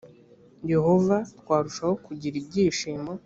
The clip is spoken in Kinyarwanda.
yehova twarushaho kugira ibyishimo